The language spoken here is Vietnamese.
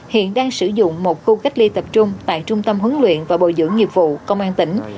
hiện đang sử dụng một khu cách ly tập trung tại trung tâm huấn luyện và bồi dưỡng nghiệp vụ công an tỉnh